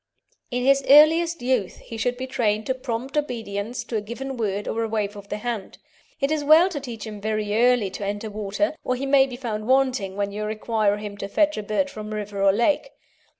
In his earliest youth he should be trained to prompt obedience to a given word or a wave of the hand. It is well to teach him very early to enter water, or he may be found wanting when you require him to fetch a bird from river or lake.